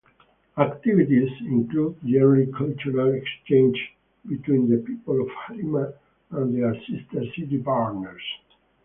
Activities include yearly cultural exchanges between the people of Harima and their sister-city partners.